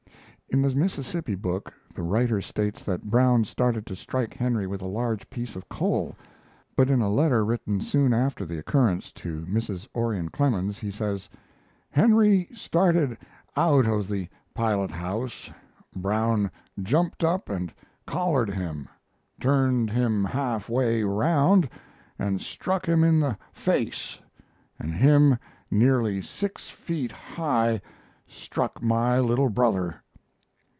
[In the Mississippi book the writer states that Brown started to strike Henry with a large piece of coal; but, in a letter written soon after the occurrence to Mrs. Orion Clemens, he says: "Henry started out of the pilot house Brown jumped up and collared him turned him half way around and struck him in the face! and him nearly six feet high struck my little brother.